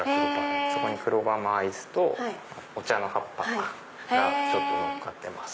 そこに黒ゴマアイスとお茶の葉っぱがのっかってます。